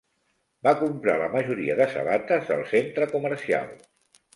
Va comprar la majoria de sabates al centre comercial